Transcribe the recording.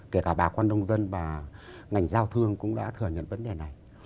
kể cả bà quan đông dân và ngành giao thương cũng đã thừa nhận vấn đề này